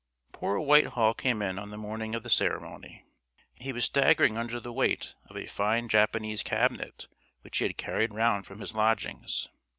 Poor Whitehall came in on the morning of the ceremony. He was staggering under the weight of a fine Japanese cabinet which he had carried round from his lodgings.